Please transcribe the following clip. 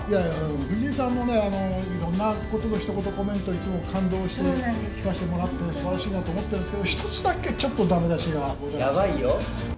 藤井さんのいろんなことのひと言コメント、いつも感動して聞かせてもらって、すばらしいなと思ってるんですけど、１つだけ、ちょっとだめ出しがございまして。